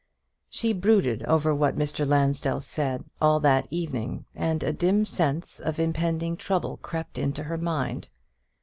She brooded over what Mr. Lansdell said all that evening, and a dim sense of impending trouble crept into her mind.